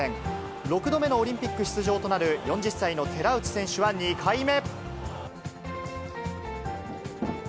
６度目のオリンピック出場となる４０歳の寺内選手は２回目。